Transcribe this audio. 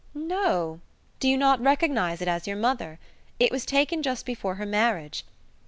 "No. Do you not recognize it as your mother? It was taken just before her marriage.